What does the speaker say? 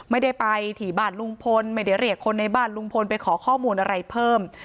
ไม่ได้ไปที่บ้านลุงพลไม่ได้เรียกคนในบ้านลุงพลไปขอข้อมูลอะไรเพิ่ม